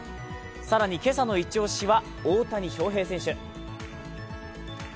更に、今朝のイチ押しは大谷翔平選手。